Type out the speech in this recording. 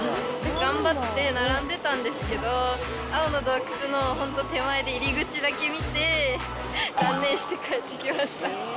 頑張って並んでたんですけど、青の洞窟の本当、手前で入り口だけ見て、断念して帰ってきました。